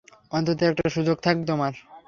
অন্তত একটা সুযোগ থাকবে তোমার।